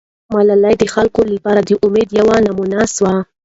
ملالۍ د خلکو لپاره د امید یوه نمونه سوه.